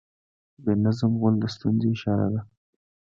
بې نظم غول د ستونزې اشاره ده.